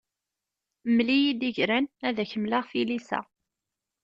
Mmel-iyi-d igran, ad ak-mmleɣ tilisa.